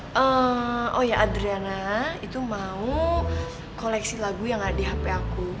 oh ya adriana itu mau koleksi lagu yang ada di hp aku